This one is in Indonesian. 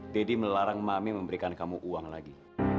deddy melarang mami memberikan kamu uang lagi